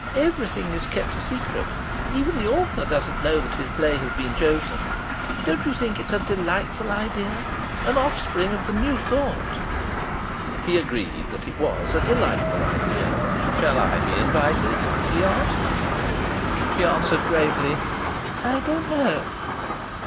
Everything is kept a secret. Even the author doesn't know that his play has been chosen. Don't you think it's a delightful idea?... An offspring of the New Thought!" He agreed that it was a delightful idea. "Shall I be invited?" he asked. She answered gravely, "I don't know."